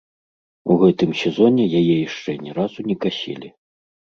У гэтым сезоне яе яшчэ ні разу не касілі.